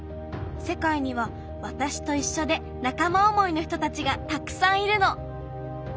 世界にはわたしといっしょで仲間思いの人たちがたくさんいるの。